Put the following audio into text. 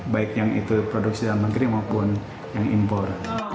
baik yang itu produksi dalam negeri maupun yang impor